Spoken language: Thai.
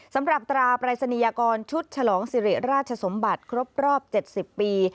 สำหรับตราปลายศนียากรชุดฉลองสิเหรียราชสมบัติครบแรก๗๐ปี